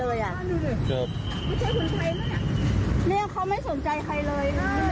เห้ยตอนนี้ทำตัวแบบเหมือนกันนะไม่สนใจใครเลยไม่ได้ไม่กลัว